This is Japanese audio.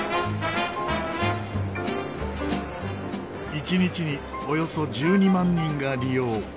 一日におよそ１２万人が利用。